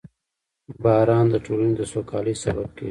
• باران د ټولنې د سوکالۍ سبب کېږي.